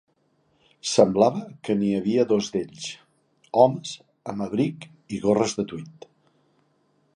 Semblava que n'hi havia dos d'ells, homes amb abrig i gorres de Tweed.